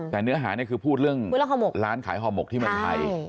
แต่เนื้อหานี่คือพูดเรื่องร้านขายห่อหมกที่เมืองไทย